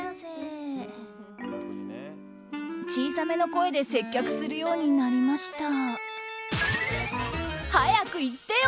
小さめの声で接客するようになりました。